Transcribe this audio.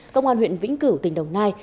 công an huyện vĩnh cửu tỉnh đồng nai